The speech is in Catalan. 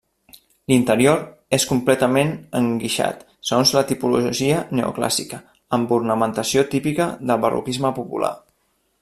L'interior és completament enguixat segons la tipologia neoclàssica, amb ornamentació típica del barroquisme popular.